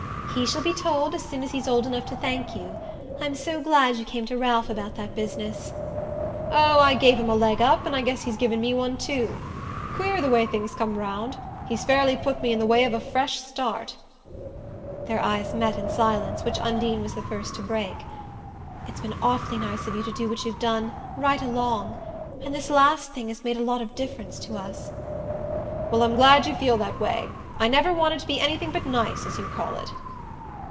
"He shall be told as soon as he's old enough to thank you. I'm so glad you came to Ralph about that business." "Oh I gave him a leg up, and I guess he's given me one too. Queer the way things come round he's fairly put me in the way of a fresh start." Their eyes met in a silence which Undine was the first to break. "It's been awfully nice of you to do what you've done right along. And this last thing has made a lot of difference to us." "Well, I'm glad you feel that way. I never wanted to be anything but 'nice,' as you call it."